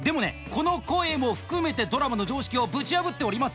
この声も含めてドラマの常識をぶち破っております